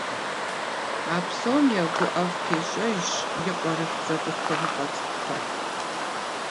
А псом я гуӏэфӏтещӏэжщ и къуэрылъху зэтӏолъхуэныкъуэ цӏыкӏухэр.